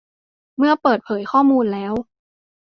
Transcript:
เมื่อเปิดเผยข้อมูลแล้ว